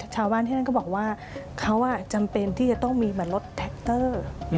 ชาวบ้านที่นั่นก็บอกว่าเขาจำเป็นที่จะต้องมีแบบรถแท็กเตอร์